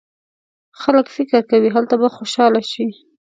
خلک فکر کوي هلته به خوشاله شي.